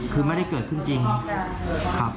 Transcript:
คุณแม่เขาเป็นยังไงบ้างครับ